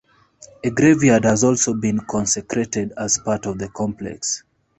A graveyard has also been consecrated as part of the complex.